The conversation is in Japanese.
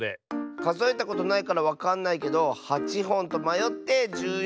かぞえたことないからわかんないけど８ほんとまよって１４